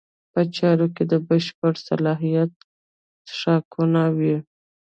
په چارو کې د بشپړ صلاحیت څښتنان وي.